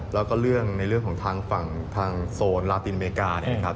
แล้วก็เรื่องในเรื่องของทางฝั่งทางโซนลาตินอเมริกาเนี่ยนะครับ